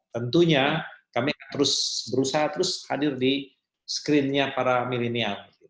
tentunya kami akan terus berusaha terus hadir di screen nya para milenial